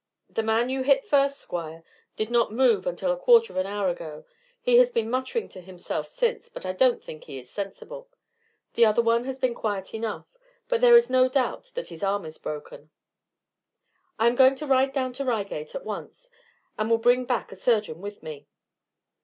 "The man you hit first, Squire, did not move until a quarter of an hour ago; he has been muttering to himself since, but I don't think he is sensible. The other one has been quiet enough, but there is no doubt that his arm is broken." "I am going to ride down to Reigate at once, and will bring back a surgeon with me."